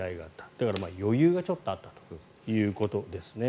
だから、余裕がちょっとあったということですね。